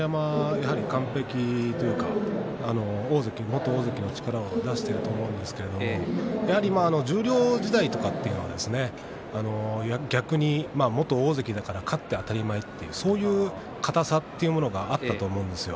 やはり完璧というか元大関の力を出していると思うんですけれども十両時代というのは逆に元大関だから勝って当たり前という、そういう硬さがあったと思うんですよ。